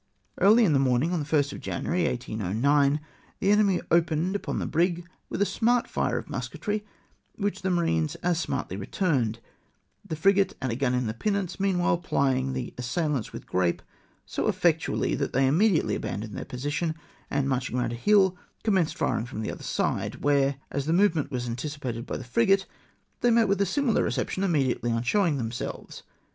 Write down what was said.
Early in the morning of the 1st of January 1809, the enemy opened upon the brig with a smart fire of musketry, which the marines as smartly returned, — the frigate and a gun in the pinnace meanwhile plying the assailants with grape so effectually that they un mediately abandoned their position, and marching round a hill, commenced firing from the other side, where, as the movement was anticipated by the frigate, they met with a similar reception immediately on show ing themselves.